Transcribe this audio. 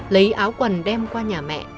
lấy áo quần đem qua nhà mẹ